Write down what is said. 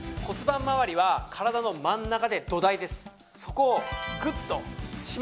骨盤まわりは体の真ん中で土台です。